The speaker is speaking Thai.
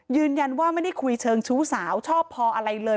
ยืนยันว่าไม่ได้คุยเชิงชู้สาวชอบพออะไรเลย